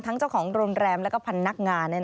เจ้าของโรงแรมและพนักงาน